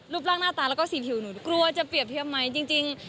ร่างหน้าตาแล้วก็สีผิวหนูกลัวจะเปรียบเทียบไหมจริง